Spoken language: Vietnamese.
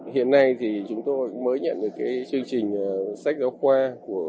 hiện nay thì chúng tôi mới nhận được cái chương trình sách giáo khoa của